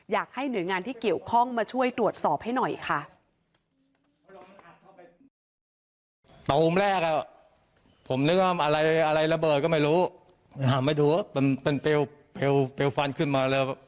อยากให้หน่วยงานที่เกี่ยวข้องมาช่วยตรวจสอบให้หน่อยค่ะ